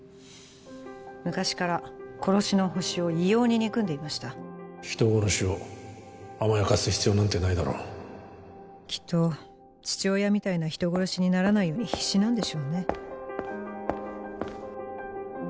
昔から殺しのホシを異様に憎んでいました人殺しを甘やかす必要なんてないだろきっと父親みたいな人殺しにならないように必死なんでしょうね